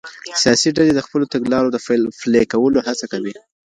سياسي ډلي د خپلو تګلارو د پلي کولو هڅه کوي.